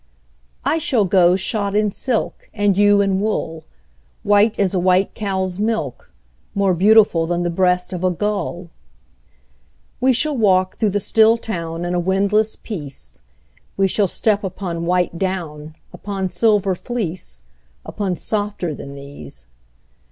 I shall go shod in silk, And you in wool, White as a white cow's milk, More beautiful Than the breast of a gull. We shall walk through the still town In a windless peace; We shall step upon white down, Upon silver fleece, Upon softer than these.